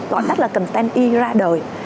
gọi tắt là content e ra đời